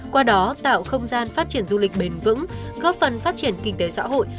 qua đó tạo không gian phát triển du lịch bền vững góp phần phát triển kinh tế xã hội